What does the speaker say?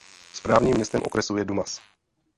Správním městem okresu je Dumas.